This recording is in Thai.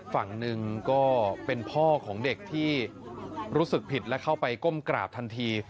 ฝั่งหนึ่งก็เป็นพ่อของเด็กที่รู้สึกผิดและเข้าไปก้มกราบทันที